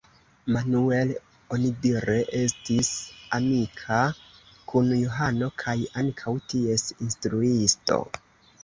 Manuel onidire estis amika kun Johano kaj ankaŭ ties instruisto.